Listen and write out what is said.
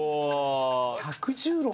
１１６⁉